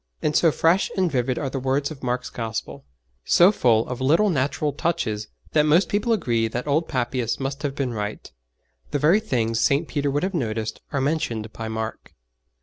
And so fresh and vivid are the words of Mark's Gospel, so full of little natural touches, that most people agree that old Papias must have been right. The very things St. Peter would have noticed are mentioned by Mark.